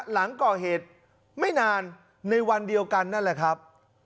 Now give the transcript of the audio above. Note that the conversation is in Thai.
หลังก่อเหตุไม่นานในวันเดียวกันนั่นแหละครับ